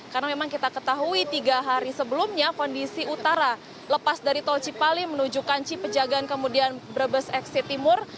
karena memang kita ketahui tiga hari sebelumnya kondisi utara lepas dari tol cipali menuju kanci pejagaan kemudian brebes eksit timur